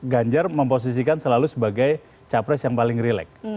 ganjar memposisikan selalu sebagai capres yang paling relax